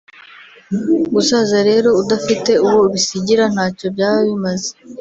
gusaza rero udafite uwo ubisigira ntacyo byaba bimaze